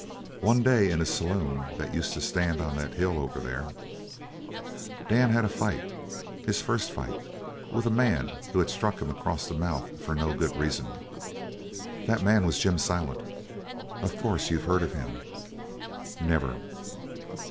One day, in a saloon that used to stand on that hill over there, Dan had a fight his first fight with a man who had struck him across the mouth for no good reason. That man was Jim Silent. Of course you've heard of him?" "Never."